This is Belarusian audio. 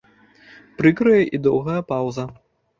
Прыкрая і доўгая паўза.